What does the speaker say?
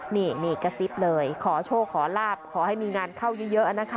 นี่กระซิบเลยขอโชคขอลาบขอให้มีงานเข้าเยอะนะคะ